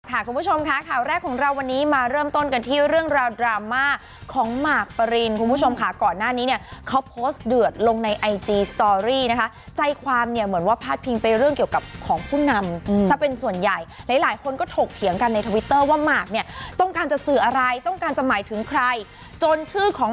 คุณผู้ชมค่ะข่าวแรกของเราวันนี้มาเริ่มต้นกันที่เรื่องราวดราม่าของหมากปรินคุณผู้ชมค่ะก่อนหน้านี้เนี่ยเขาโพสต์เดือดลงในไอจีสตอรี่นะคะใจความเนี่ยเหมือนว่าพาดพิงไปเรื่องเกี่ยวกับของผู้นำซะเป็นส่วนใหญ่หลายหลายคนก็ถกเถียงกันในทวิตเตอร์ว่าหมากเนี่ยต้องการจะสื่ออะไรต้องการจะหมายถึงใครจนชื่อของ